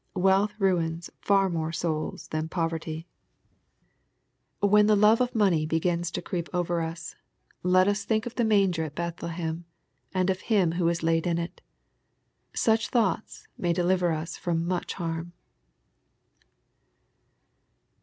Wealth ruins fiur more s^uls than poverty. When the love of money li LITKE^ CHAP. n. 53 begins to creep over uSy let us think of the manger at Bethlehem^ and of Him who was laid in it. Snob thoughts may deliver us from much harm.